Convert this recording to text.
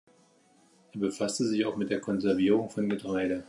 Er befasste sich auch mit der Konservierung von Getreide.